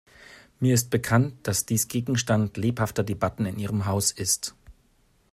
Mir ist bekannt, dass dies Gegenstand lebhafter Debatten in Ihrem Haus ist.